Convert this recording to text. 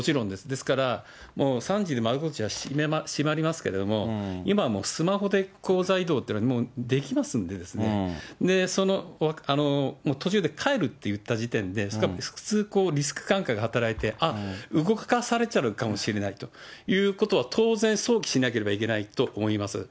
ですから、もう３時に窓口は閉まりますけれども、今もうスマホで口座移動っていうのはできますんでですね、途中で帰ると言った時点で、普通、リスク感覚が働いて、あっ、動かされちゃうかもしれないということは、当然想起しなきゃいけないと思います。